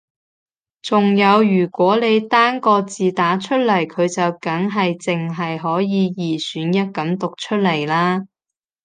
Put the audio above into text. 仲有如果你單個字打出嚟佢就梗係淨係可以二選一噉讀出嚟啦